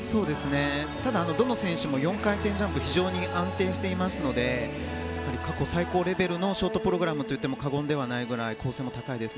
ただどの選手も４回転ジャンプ非常に安定していますので過去最高レベルのショートプログラムといっても過言ではないぐらい構成も高いです。